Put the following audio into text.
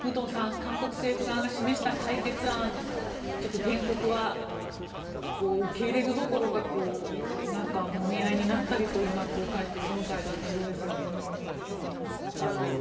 韓国政府側が示した解決案ちょっと原告は受け入れるどころかなんか、もみ合いになったりというような公開討論会だったようですがどのように見ていますか。